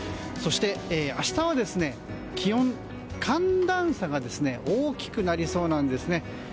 そして明日は気温、寒暖差が大きくなりそうなんですね。